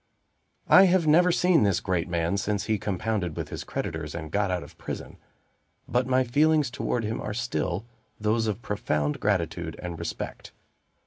I have never seen this great man since he compounded with his creditors and got out of prison; but my feelings toward him are still those of profound gratitude and respect.